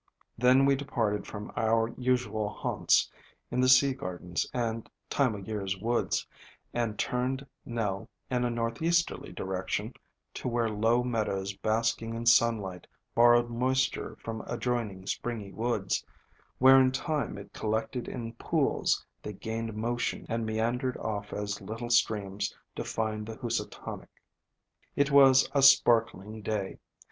Then we departed from our usual haunts in the Sea Gardens and Time o' Year's woods, and turned Nell in a northeasterly direction, to where low meadows basking in sunlight borrowed moisture from adjoining springy woods, where in time it collected in pools, that gained motion and mean dered off as little streams to find the Housatonic. FLOWERS OF THE SUN 239 It was a sparkling day.